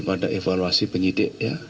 ini bagian daripada evaluasi penyidik ya